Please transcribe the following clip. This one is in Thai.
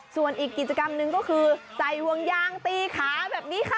ส่วนอีกกิจกรรมหนึ่งก็คือใส่ห่วงยางตีขาแบบนี้ค่ะ